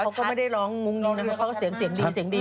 เขาก็ไม่ได้ร้องวงนี้นะครับเขาก็เสียงดี